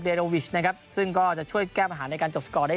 วิชนะครับซึ่งก็จะช่วยแก้ปัญหาในการจบสกอร์ได้